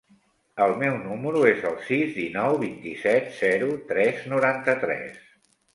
El meu número es el sis, dinou, vint-i-set, zero, tres, noranta-tres.